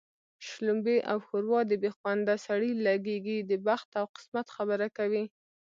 شلومبې او ښوروا د بې خونده سړي لږېږي د بخت او قسمت خبره کوي